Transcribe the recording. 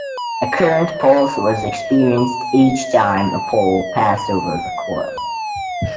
A current pulse was experienced each time a pole passed over the coil.